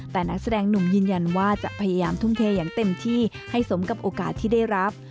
แต่นักแสดงหนุ่มยืนยันว่าจะพยายามทุ่มเทอย่างเต็มที่ให้สมกับโอกาสที่ได้รับ